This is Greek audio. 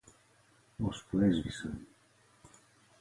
Ώσπου έσβησαν.